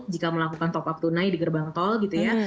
jika melakukan top up tunai di gerbang tol gitu ya